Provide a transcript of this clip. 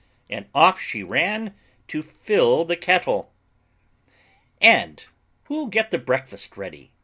And off she ran to fill the kettle. "And who'll get the breakfast ready?"